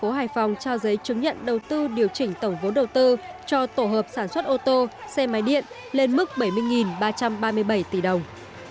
thành phố hải phòng trao giấy chứng nhận đầu tư điều chỉnh tổng vốn đầu tư cho tổ hợp sản xuất ô tô xe máy điện lên mức bảy mươi ba trăm ba mươi bảy tỷ đồng